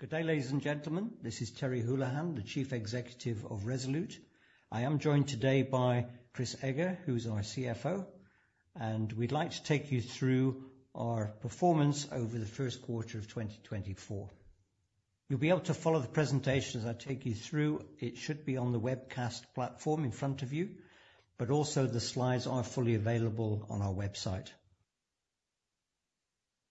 Good day, ladies and gentlemen. This is Terry Holohan, the Chief Executive of Resolute. I am joined today by Chris Eger, who is our CFO, and we'd like to take you through our performance over the first quarter of 2024. You'll be able to follow the presentation as I take you through. It should be on the webcast platform in front of you, but also the slides are fully available on our website.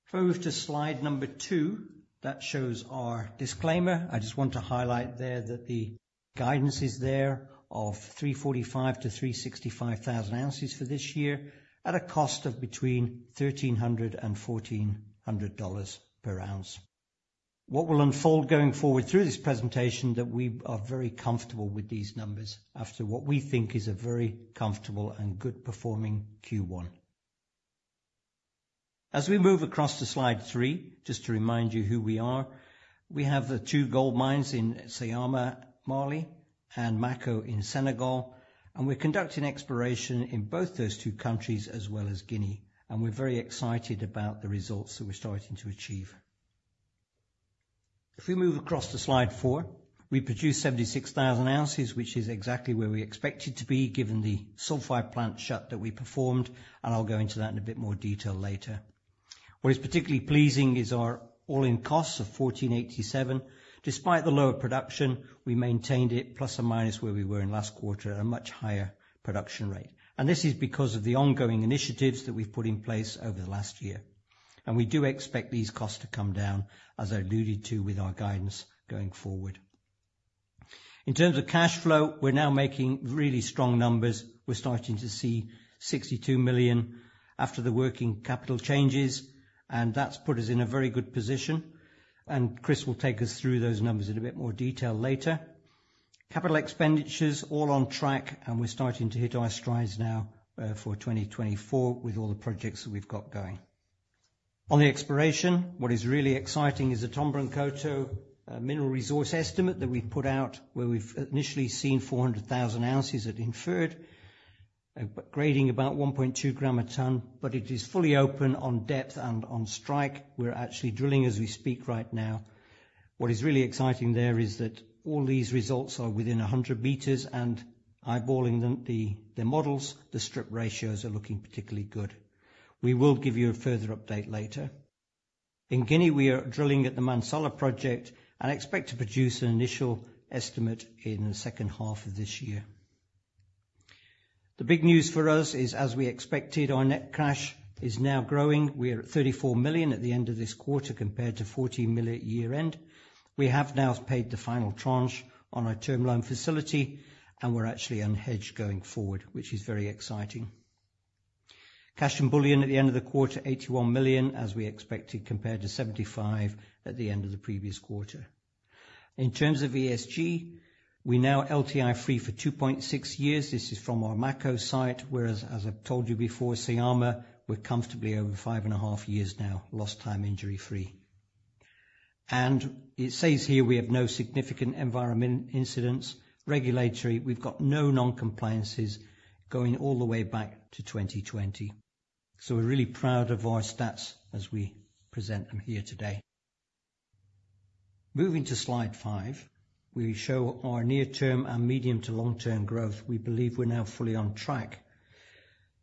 If we move to slide number two, that shows our disclaimer. I just want to highlight there that the guidance is there of 345-365 thousand ounces for this year, at a cost of between $1,300 and $1,400 per ounce. What will unfold going forward through this presentation, that we are very comfortable with these numbers after what we think is a very comfortable and good performing Q1. As we move across to slide three, just to remind you who we are, we have the two gold mines in Syama, Mali, and Mako in Senegal, and we're conducting exploration in both those two countries as well as Guinea, and we're very excited about the results that we're starting to achieve. If we move across to slide four, we produced 76,000 ounces, which is exactly where we expected to be, given the sulfide plant shut that we performed, and I'll go into that in a bit more detail later. What is particularly pleasing is our all-in costs of $1,487. Despite the lower production, we maintained it plus or minus where we were in last quarter at a much higher production rate. This is because of the ongoing initiatives that we've put in place over the last year. We do expect these costs to come down, as I alluded to, with our guidance going forward. In terms of cash flow, we're now making really strong numbers. We're starting to see $62 million after the working capital changes, and that's put us in a very good position, and Chris will take us through those numbers in a bit more detail later. Capital expenditures all on track, and we're starting to hit our strides now for 2024 with all the projects that we've got going. On the exploration, what is really exciting is the Tomboronkoto mineral resource estimate that we've put out, where we've initially seen 400,000 ounces at inferred, but grading about 1.2 g a ton, but it is fully open on depth and on strike. We're actually drilling as we speak right now. What is really exciting there is that all these results are within 100 m, and eyeballing them, the, the models, the strip ratios are looking particularly good. We will give you a further update later. In Guinea, we are drilling at the Mansala project and expect to produce an initial estimate in the second half of this year. The big news for us is, as we expected, our net cash is now growing. We're at $34 million at the end of this quarter, compared to $40 million year-end. We have now paid the final tranche on our term loan facility, and we're actually unhedged going forward, which is very exciting. Cash and bullion at the end of the quarter, $81 million, as we expected, compared to $75 million at the end of the previous quarter. In terms of ESG, we're now LTI-free for 2.6 years. This is from our Mako site, whereas as I've told you before, Syama, we're comfortably over five and a half years now, lost time injury-free. And it says here we have no significant environmental incidents. Regulatory, we've got no non-compliances going all the way back to 2020. So we're really proud of our stats as we present them here today. Moving to slide five, we show our near-term and medium to long-term growth. We believe we're now fully on track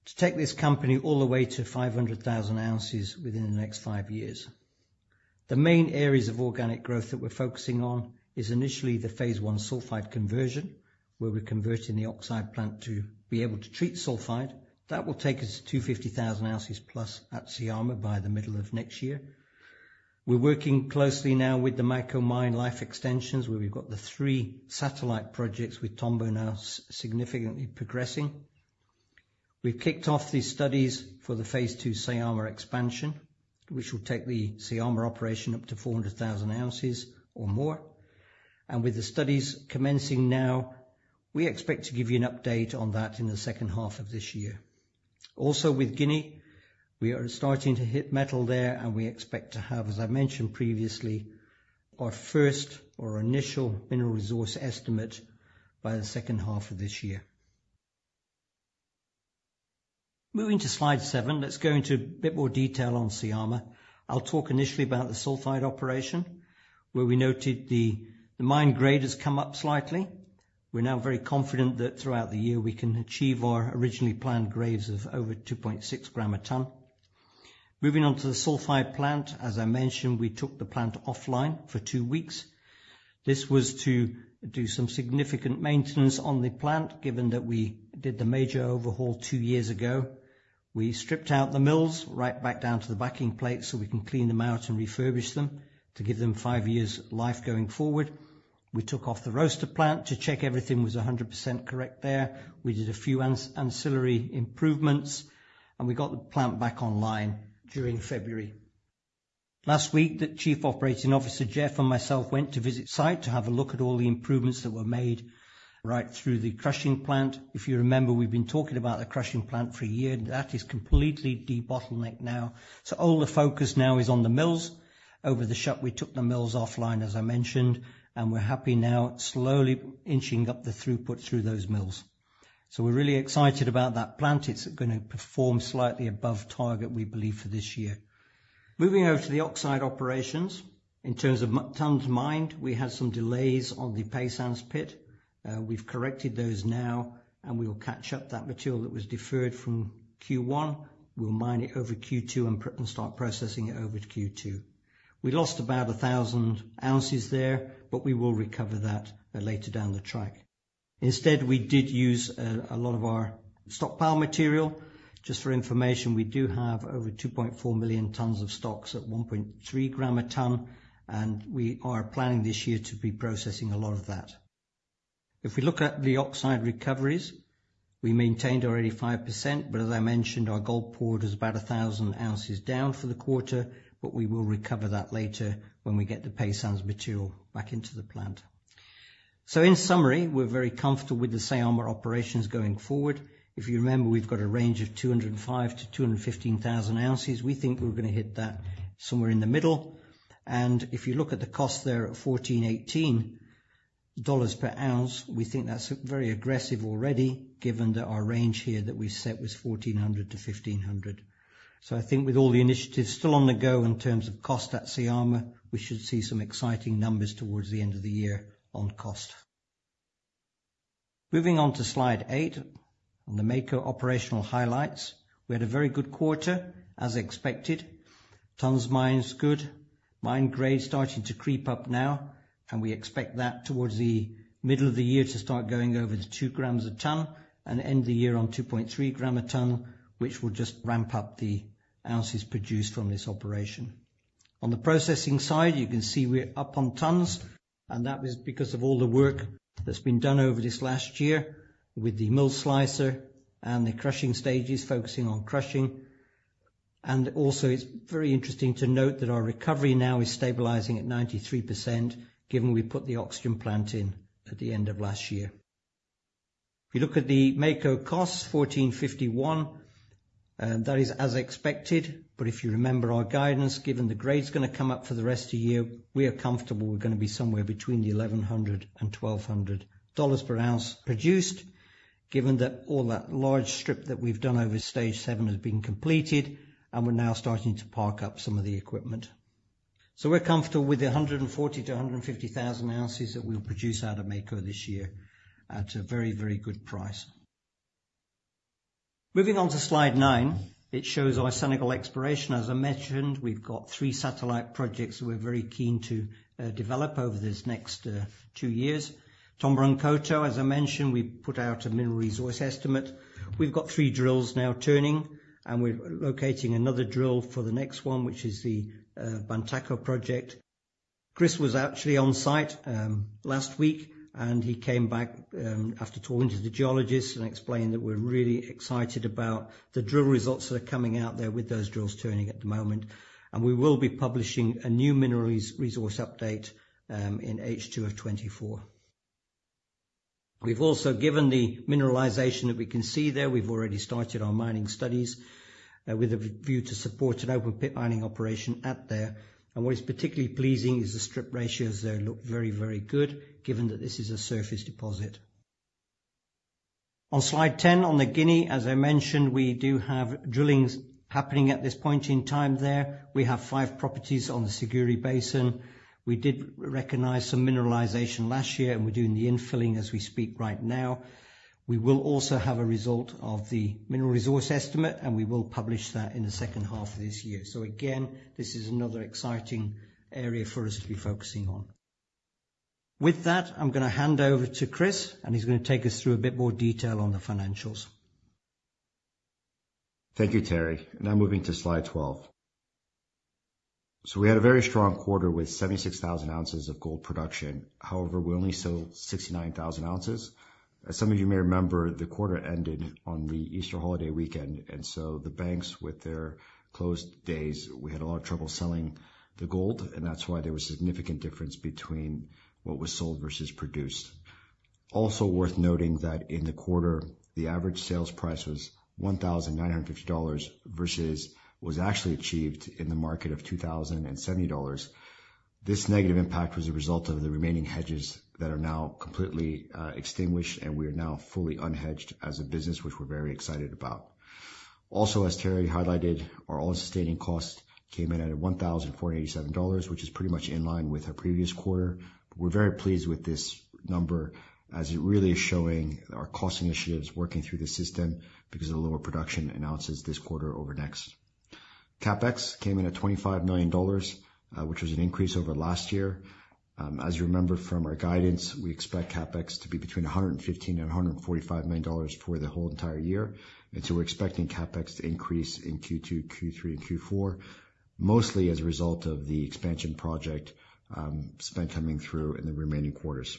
to take this company all the way to 500,000 ounces within the next five years. The main areas of organic growth that we're focusing on is initially the phase I sulfide conversion, where we're converting the oxide plant to be able to treat sulfide. That will take us to 250,000 ounces plus at Syama by the middle of next year. We're working closely now with the Mako mine life extensions, where we've got the three satellite projects with Tombo now significantly progressing. We've kicked off these studies for the phase II Syama expansion, which will take the Syama operation up to 400,000 ounces or more. And with the studies commencing now, we expect to give you an update on that in the second half of this year. Also, with Guinea, we are starting to hit metal there, and we expect to have, as I mentioned previously, our first or initial mineral resource estimate by the second half of this year. Moving to slide seven, let's go into a bit more detail on Syama. I'll talk initially about the sulfide operation, where we noted the mine grade has come up slightly. We're now very confident that throughout the year, we can achieve our originally planned grades of over 2.6 g a ton. Moving on to the sulfide plant, as I mentioned, we took the plant offline for two weeks. This was to do some significant maintenance on the plant, given that we did the major overhaul two years ago. We stripped out the mills right back down to the backing plate, so we can clean them out and refurbish them to give them five years life going forward. We took off the roaster plant to check everything was 100% correct there. We did a few ancillary improvements, and we got the plant back online during February. Last week, the chief operating officer, Geoff, and myself went to visit site to have a look at all the improvements that were made right through the crushing plant. If you remember, we've been talking about the crushing plant for a year. That is completely debottlenecked now. So all the focus now is on the mills. Over the shutdown, we took the mills offline, as I mentioned, and we're happy now, slowly inching up the throughput through those mills. So we're really excited about that plant. It's gonna perform slightly above target, we believe, for this year. Moving over to the oxide operations, in terms of tonnes mined, we had some delays on the Paysans pit. We've corrected those now, and we will catch up that material that was deferred from Q1. We'll mine it over Q2 and start processing it over to Q2. We lost about 1,000 ounces there, but we will recover that later down the track. Instead, we did use a lot of our stockpile material. Just for information, we do have over 2.4 million tons of stocks at 1.3 g a tonne, and we are planning this year to be processing a lot of that. If we look at the oxide recoveries, we maintained our 85%, but as I mentioned, our gold pour was about 1,000 ounces down for the quarter, but we will recover that later when we get the Paysans material back into the plant. So in summary, we're very comfortable with the Syama operations going forward. If you remember, we've got a range of 205,000-215,000 ounces. We think we're gonna hit that somewhere in the middle. If you look at the cost there, at $14-$18 per ounce, we think that's very aggressive already, given that our range here that we set was $1,400-$1,500. So I think with all the initiatives still on the go in terms of cost at Syama, we should see some exciting numbers towards the end of the year on cost. Moving onto slide eight, on the Mako operational highlights. We had a very good quarter, as expected. Tonnes mined is good, mine grade starting to creep up now, and we expect that towards the middle of the year to start going over the 2 g a tonne and end the year on 2.3 g a tonne, which will just ramp up the ounces produced from this operation. On the processing side, you can see we're up on tonnes, and that was because of all the work that's been done over this last year with the MillSlicer and the crushing stages focusing on crushing. And also, it's very interesting to note that our recovery now is stabilizing at 93%, given we put the oxygen plant in at the end of last year. If you look at the Mako costs, $1,451, that is as expected, but if you remember our guidance, given the grade's gonna come up for the rest of the year, we are comfortable we're gonna be somewhere between $1,100-$1,200 per ounce produced, given that all that large strip that we've done over stage seven has been completed, and we're now starting to park up some of the equipment. So we're comfortable with the 140-150,000 ounces that we'll produce out of Mako this year at a very, very good price. Moving on to slide nine, it shows our Senegal exploration. As I mentioned, we've got three satellite projects we're very keen to develop over this next two years. Tomboronkoto, as I mentioned, we put out a mineral resource estimate. We've got three drills now turning, and we're locating another drill for the next one, which is the Bantako project. Chris was actually on site last week, and he came back after talking to the geologists and explained that we're really excited about the drill results that are coming out there with those drills turning at the moment. And we will be publishing a new mineral resource update in H2 of 2024. We've also, given the mineralization that we can see there, we've already started our mining studies with a view to support an open pit mining operation out there. And what is particularly pleasing is the strip ratios there look very, very good, given that this is a surface deposit. On slide 10, on Guinea, as I mentioned, we do have drilling happening at this point in time there. We have five properties on the Siguiri Basin. We did recognize some mineralization last year, and we're doing the infilling as we speak right now. We will also have a result of the mineral resource estimate, and we will publish that in the second half of this year. So again, this is another exciting area for us to be focusing on. With that, I'm gonna hand over to Chris, and he's gonna take us through a bit more detail on the financials. Thank you, Terry. Now moving to slide 12. So we had a very strong quarter with 76,000 ounces of gold production. However, we only sold 69,000 ounces. As some of you may remember, the quarter ended on the Easter holiday weekend, and so the banks with their closed days, we had a lot of trouble selling the gold, and that's why there was significant difference between what was sold versus produced. Also worth noting that in the quarter, the average sales price was $1,950 versus was actually achieved in the market of $2,070. This negative impact was a result of the remaining hedges that are now completely extinguished, and we are now fully unhedged as a business, which we're very excited about. Also, as Terry highlighted, our all-in sustaining costs came in at $1,487, which is pretty much in line with our previous quarter. We're very pleased with this number, as it really is showing our cost initiatives working through the system because of the lower production in ounces this quarter over next. CapEx came in at $25 million, which was an increase over last year. As you remember from our guidance, we expect CapEx to be between $115 million and $145 million for the whole entire year, and so we're expecting CapEx to increase in Q2, Q3, and Q4, mostly as a result of the expansion project, spent coming through in the remaining quarters.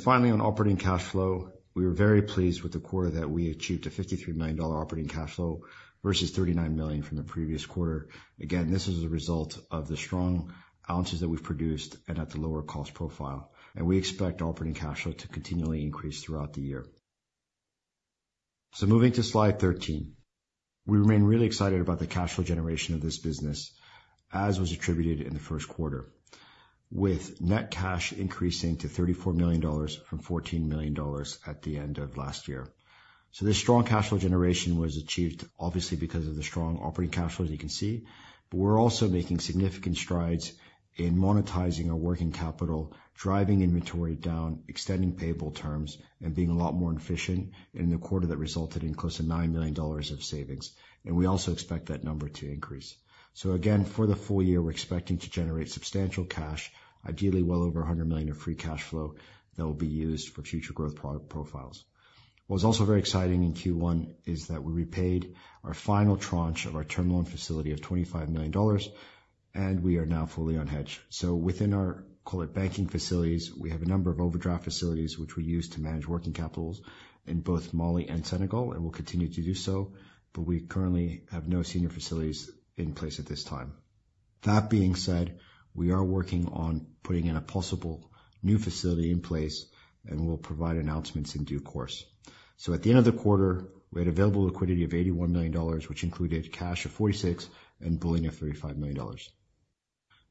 Finally, on operating cash flow, we were very pleased with the quarter that we achieved a $53 million operating cash flow versus $39 million from the previous quarter. Again, this is a result of the strong ounces that we've produced and at the lower cost profile, and we expect operating cash flow to continually increase throughout the year. So moving to slide 13. We remain really excited about the cash flow generation of this business, as was attributed in the first quarter, with net cash increasing to $34 million from $14 million at the end of last year. So this strong cash flow generation was achieved obviously because of the strong operating cash flow, as you can see. But we're also making significant strides in monetizing our working capital, driving inventory down, extending payable terms, and being a lot more efficient in the quarter that resulted in close to $9 million of savings. And we also expect that number to increase. So again, for the full year, we're expecting to generate substantial cash, ideally well over $100 million of free cash flow that will be used for future growth profiles. What's also very exciting in Q1 is that we repaid our final tranche of our term loan facility of $25 million, and we are now fully unhedged. So within our, call it banking facilities, we have a number of overdraft facilities, which we use to manage working capital in both Mali and Senegal, and we'll continue to do so, but we currently have no senior facilities in place at this time. That being said, we are working on putting in a possible new facility in place, and we'll provide announcements in due course. So at the end of the quarter, we had available liquidity of $81 million, which included cash of $46 million and bullion of $35 million.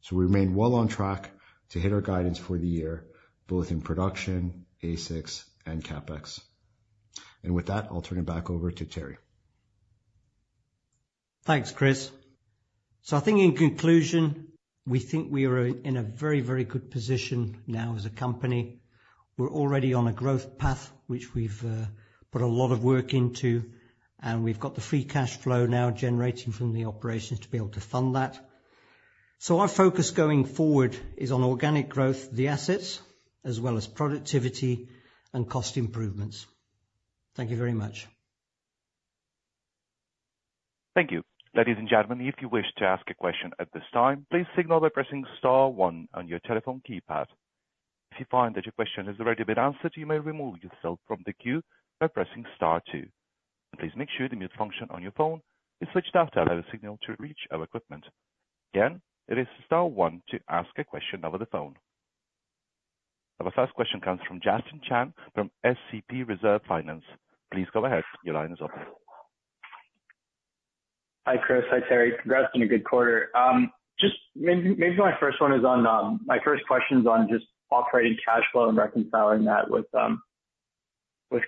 So we remain well on track to hit our guidance for the year, both in production, AISCs, and CapEx. And with that, I'll turn it back over to Terry. Thanks, Chris. I think in conclusion, we think we are in a very, very good position now as a company. We're already on a growth path, which we've put a lot of work into, and we've got the free cash flow now generating from the operations to be able to fund that. Our focus going forward is on organic growth, the assets, as well as productivity and cost improvements. Thank you very much. Thank you. Ladies and gentlemen, if you wish to ask a question at this time, please signal by pressing star one on your telephone keypad. If you find that your question has already been answered, you may remove yourself from the queue by pressing star two. Please make sure the mute function on your phone is switched off to allow the signal to reach our equipment. Again, it is star one to ask a question over the phone. Our first question comes from Justin Chan, from SCP Resource Finance. Please go ahead. Your line is open. Hi, Chris. Hi, Terry. Congrats on a good quarter. Just maybe, maybe my first one is on, my first question is on just operating cash flow and reconciling that with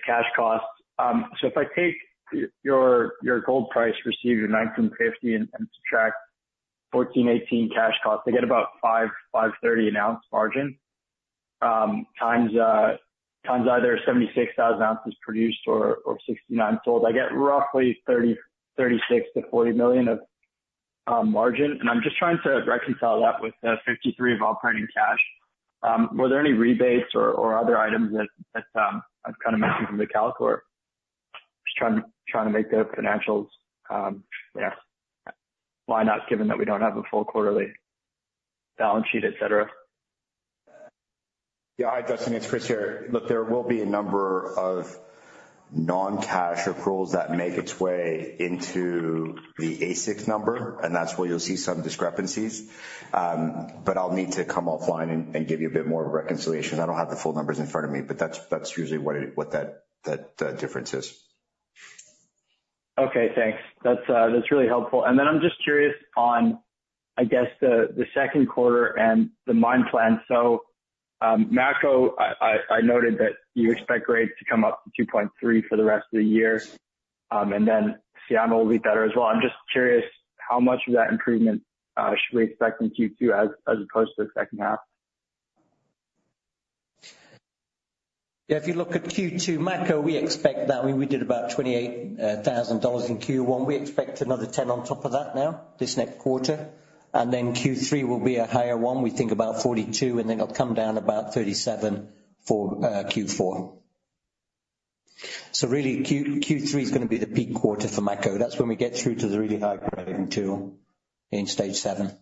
cash costs. So if I take your gold price received in $1,950 and subtract $1,418 cash costs, I get about $530 an ounce margin times either 76,000 ounces produced or 69,000 sold. I get roughly $36 million-$40 million of margin, and I'm just trying to reconcile that with the $53 million of operating cash. Were there any rebates or other items that I've kind of mentioned from the calc, or just trying to make the financials, yeah, why not, given that we don't have a full quarterly balance sheet, et cetera? Yeah. Hi, Justin, it's Chris here. Look, there will be a number of non-cash accruals that make its way into the AISC number, and that's where you'll see some discrepancies. But I'll need to come offline and give you a bit more reconciliation. I don't have the full numbers in front of me, but that's usually what it is, what that difference is. Okay, thanks. That's really helpful. And then I'm just curious on, I guess, the second quarter and the mine plan. So, Mako, I noted that you expect grades to come up to 2.3 for the rest of the year, and then Syama will be better as well. I'm just curious, how much of that improvement should we expect in Q2 as opposed to the second half? Yeah, if you look at Q2, Mako, we expect that. We, we did about $28,000 in Q1. We expect another 10 on top of that now, this next quarter. Then Q3 will be a higher one. We think about 42, and then it'll come down about 37 for Q4. So really, Q3 is gonna be the peak quarter for Mako. That's when we get through to the really high-grading zone in stage seven.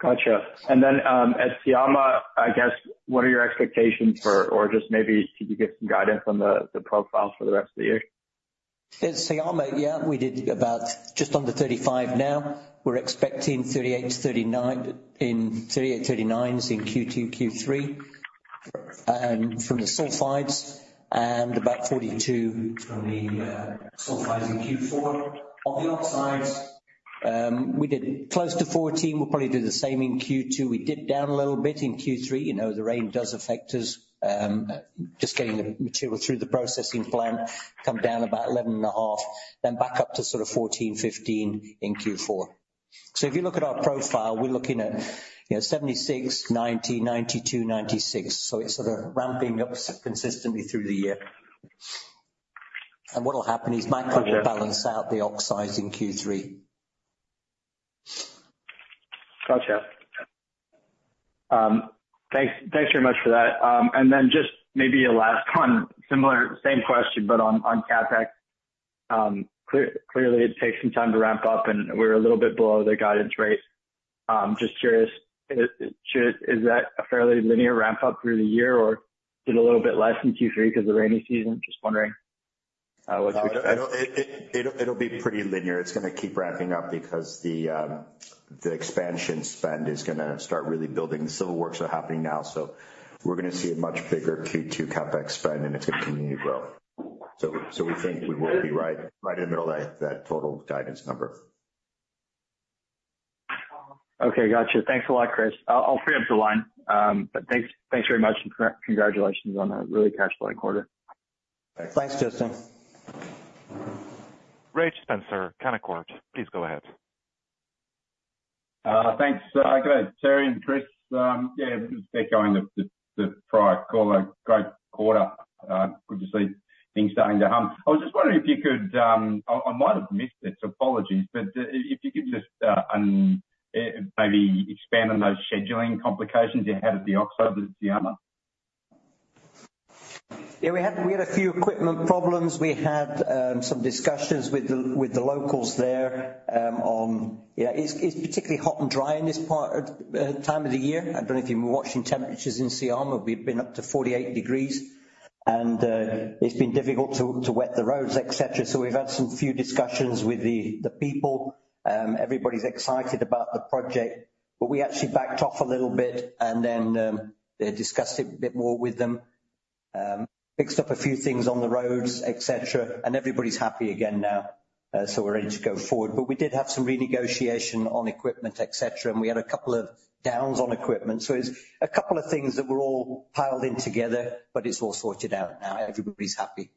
Gotcha. And then, at Syama, I guess, what are your expectations for or just maybe could you get some guidance on the profile for the rest of the year? At Syama, yeah, we did about just under 35 now. We're expecting 38 to 39 in Q2, Q3, from the sulfides, and about 42 from the sulfides in Q4. On the oxides, we did close to 14. We'll probably do the same in Q2. We dipped down a little bit in Q3. You know, the rain does affect us, just getting the material through the processing plant, come down about 11.5, then back up to sort of 14, 15 in Q4. So if you look at our profile, we're looking at, you know, 76, 90, 92, 96. So it's sort of ramping up consistently through the year. And what'll happen is Mako will balance out the oxides in Q3. Gotcha. Thanks, thanks very much for that. And then just maybe a last one, similar, same question, but on, on CapEx. Clearly, it takes some time to ramp up, and we're a little bit below the guidance rate. Just curious, is that a fairly linear ramp up through the year or did a little bit less in Q3 because of the rainy season? Just wondering. I don't, it'll be pretty linear. It's gonna keep ramping up because the expansion spend is gonna start really building. The civil works are happening now, so we're gonna see a much bigger Q2 CapEx spend, and it's gonna continue to grow. So we think we will be right in the middle of that total guidance number. Okay. Gotcha. Thanks a lot, Chris. I'll free up the line, but thanks very much, and congratulations on a really cash flow quarter. Thanks, Justin. Reg Spencer, Canaccord, please go ahead. Thanks. Good day, Terry and Chris. Yeah, just echoing the prior caller, great quarter. Good to see things starting to hum. I was just wondering if you could. I might have missed it, so apologies, but if you could just maybe expand on those scheduling complications you had at the oxide Syama? Yeah, we had a few equipment problems. We had some discussions with the locals there on. Yeah, it's particularly hot and dry in this part time of the year. I don't know if you've been watching temperatures in Syama. We've been up to 48 degrees, and it's been difficult to wet the roads, et cetera. So we've had some few discussions with the people. Everybody's excited about the project, but we actually backed off a little bit, and then discussed it a bit more with them. Fixed up a few things on the roads, et cetera, and everybody's happy again now, so we're ready to go forward. But we did have some renegotiation on equipment, et cetera, and we had a couple of downs on equipment. It's a couple of things that were all piled in together, but it's all sorted out now, everybody's happy.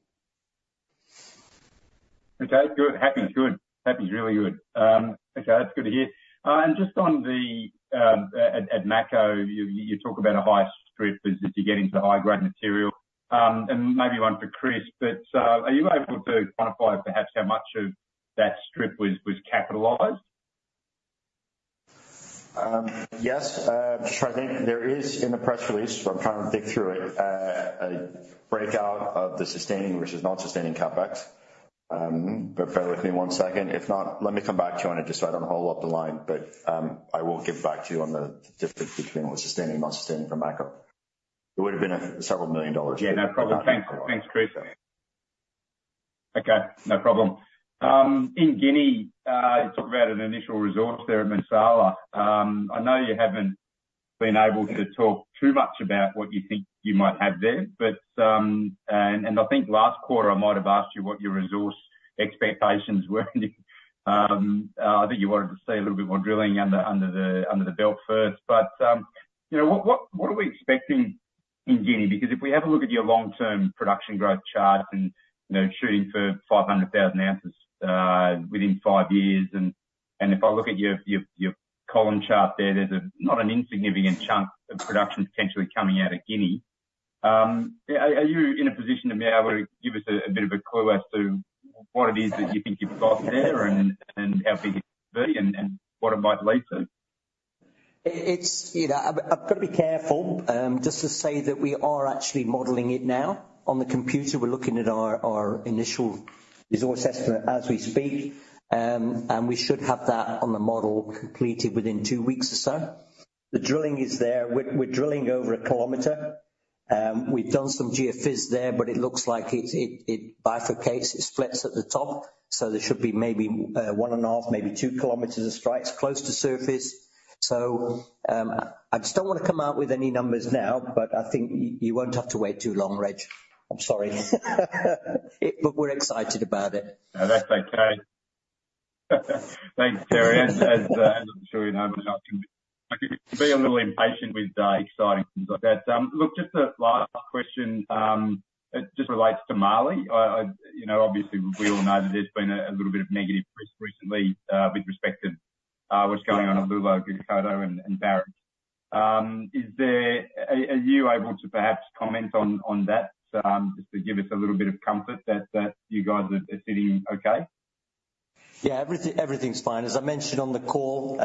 Okay, good. Happy is good. Happy is really good. Okay, that's good to hear. And just on the, at Mako, you talk about a high strip as if you're getting to the high-grade material. And maybe one for Chris, but, are you able to quantify perhaps how much of that strip was capitalized? Yes, I think there is in the press release, but I'm trying to dig through it, a breakout of the sustaining, which is non-sustaining CapEx. Bear with me one second. If not, let me come back to you on it, just so I don't hold up the line, but I will get back to you on the difference between the sustaining and non-sustaining from Mako. It would've been a several million dollar- Yeah, no problem. Thanks. Thanks, Chris. Okay, no problem. In Guinea, you talk about an initial resource there at Mansala. I know you haven't been able to talk too much about what you think you might have there, but, and I think last quarter, I might have asked you what your resource expectations were. I think you wanted to see a little bit more drilling under your belt first. But, you know, what are we expecting in Guinea? Because if we have a look at your long-term production growth chart and, you know, shooting for 500,000 ounces within five years, and if I look at your column chart there, there's not an insignificant chunk of production potentially coming out of Guinea. Are you in a position to be able to give us a bit of a clue as to what it is that you think you've got there, and how big it could be and what it might lead to? It's, you know, I've got to be careful, just to say that we are actually modeling it now on the computer. We're looking at our initial resource estimate as we speak, and we should have that on the model completed within 2 weeks or so. The drilling is there. We're drilling over 1 km. We've done some geophys there, but it looks like it bifurcates, it splits at the top, so there should be maybe 1.5, maybe 2 km of strikes close to surface. So, I just don't want to come out with any numbers now, but I think you won't have to wait too long, Reg. I'm sorry. But we're excited about it. No, that's okay. Thanks, Terry. As I'm sure you know, I can be a little impatient with exciting things like that. Look, just a last question, it just relates to Mali. You know, obviously we all know that there's been a little bit of negative press recently with respect to what's going on on Loulo-Gounkoto and Barrick. Is there. Are you able to perhaps comment on that just to give us a little bit of comfort that you guys are sitting okay? Yeah, everything, everything's fine. As I mentioned on the call,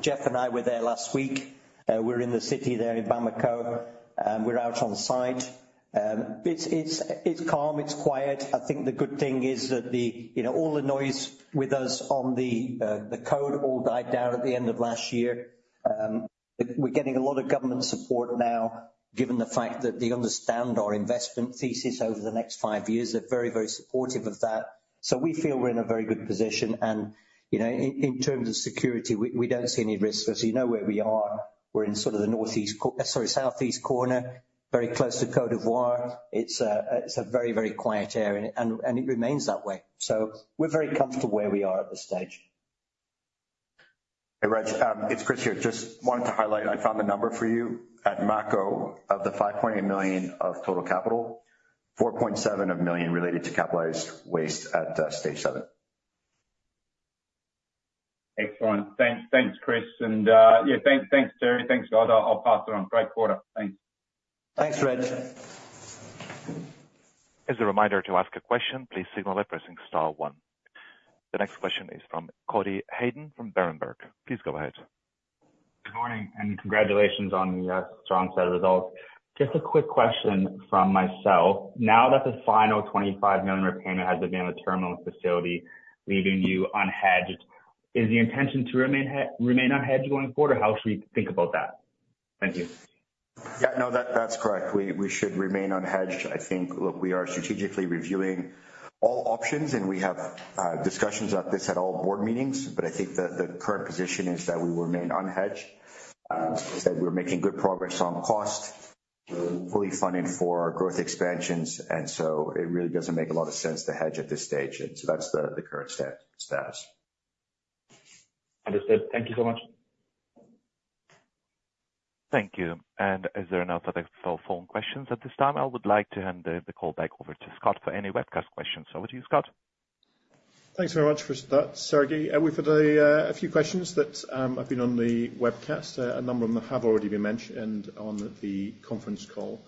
Jeff and I were there last week. We're in the city there in Bamako, and we're out on site. It's calm, it's quiet. I think the good thing is that the, you know, all the noise with us on the, the code all died down at the end of last year. We're getting a lot of government support now, given the fact that they understand our investment thesis over the next five years. They're very, very supportive of that. So we feel we're in a very good position. And, you know, in terms of security, we, we don't see any risks. As you know where we are, we're in sort of the northeast sorry, southeast corner, very close to Côte d'Ivoire. It's a very, very quiet area, and it remains that way. So we're very comfortable where we are at this stage. Hey, Reg, it's Chris here. Just wanted to highlight, I found the number for you. At Mako, of the $5.8 million of total capital, $4.7 million related to capitalized waste at Stage 7. Excellent. Thanks. Thanks, Chris. And, yeah, thanks. Thanks, Terry. Thanks a lot. I'll pass it on. Great quarter. Thanks. Thanks, Reg. As a reminder, to ask a question, please signal by pressing star one. The next question is from Cody Hayden, from Berenberg. Please go ahead. Good morning, and congratulations on the strong set of results. Just a quick question from myself. Now that the final $25 million repayment has been a terminal facility, leaving you unhedged, is the intention to remain unhedged going forward, or how should we think about that? Thank you. Yeah, no, that's correct. We should remain unhedged. I think, look, we are strategically reviewing all options, and we have discussions about this at all board meetings. But I think the current position is that we will remain unhedged. As I said, we're making good progress on cost, fully funded for growth expansions, and so it really doesn't make a lot of sense to hedge at this stage. And so that's the current status. Understood. Thank you so much. Thank you. Is there any other phone questions at this time? I would like to hand the call back over to Scott for any webcast questions. Over to you, Scott. Thanks very much for that, Sergey. We've had a few questions that have been on the webcast. A number of them have already been mentioned on the conference call.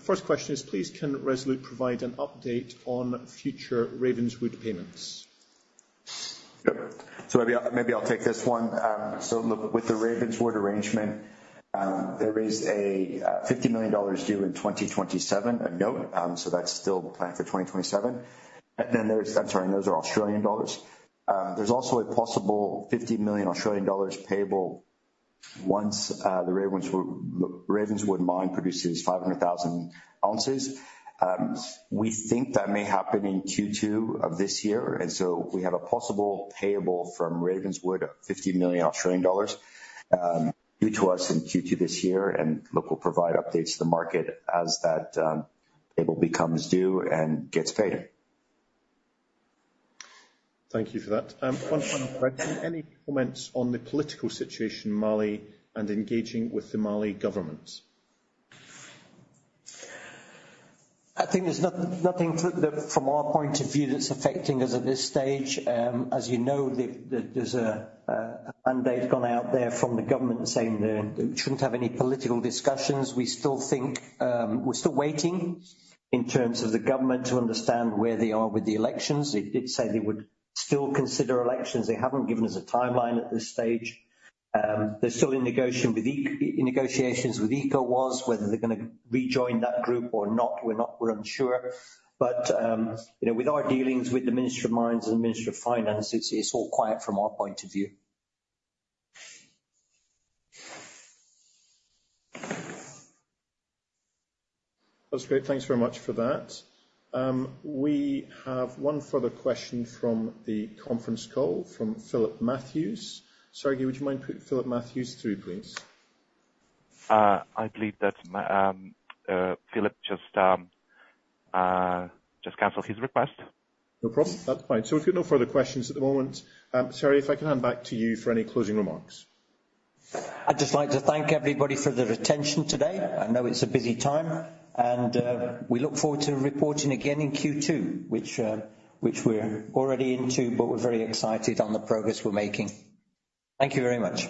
First question is, "Please, can Resolute provide an update on future Ravenswood payments? Yep. So maybe I'll, maybe I'll take this one. So look, with the Ravenswood arrangement, there is a 50 million dollars due in 2027, a note, so that's still the plan for 2027. And then there's. I'm sorry, those are Australian dollars. There's also a possible 50 million Australian dollars payable once the Ravenswood, Ravenswood mine produces 500,000 ounces. We think that may happen in Q2 of this year, and so we have a possible payable from Ravenswood of 50 million Australian dollars due to us in Q2 this year, and look, we'll provide updates to the market as that payable becomes due and gets paid. Thank you for that. One final question: Any comments on the political situation in Mali and engaging with the Mali government? I think there's nothing from our point of view that's affecting us at this stage. As you know, there's a mandate gone out there from the government saying there shouldn't have any political discussions. We still think we're still waiting in terms of the government to understand where they are with the elections. They did say they would still consider elections. They haven't given us a timeline at this stage. They're still in negotiations with ECOWAS, whether they're gonna rejoin that group or not, we're unsure. But you know, with our dealings with the Ministry of Mines and the Ministry of Finance, it's all quiet from our point of view. That's great. Thanks very much for that. We have one further question from the conference call from Philip Matthews. Sergey, would you mind putting Philip Matthews through, please? I believe that Philip just canceled his request. No problem. That's fine. We've got no further questions at the moment. Sergey, if I can hand back to you for any closing remarks. I'd just like to thank everybody for their attention today. I know it's a busy time, and we look forward to reporting again in Q2, which we're already into, but we're very excited on the progress we're making. Thank you very much.